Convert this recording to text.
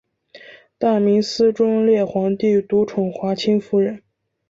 大明思宗烈皇帝独宠华清夫人。